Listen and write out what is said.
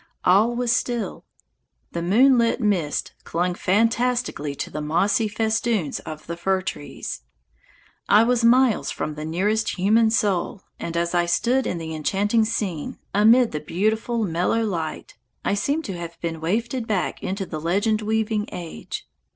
All was still. The moonlit mist clung fantastically to the mossy festoons of the fir trees. I was miles from the nearest human soul, and as I stood in the enchanting scene, amid the beautiful mellow light, I seemed to have been wafted back into the legend weaving age.